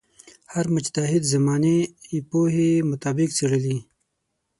هر مجتهد زمانې پوهې مطابق څېړلې.